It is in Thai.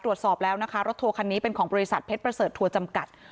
ตรวจสอบแล้วนะคะรถทัวร์คันนี้เป็นของบริษัทเพชรประเสริฐทัวร์จำกัด